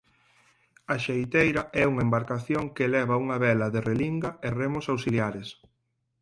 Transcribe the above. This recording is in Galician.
A xeiteira é unha embarcación que leva unha vela de relinga e remos auxiliares.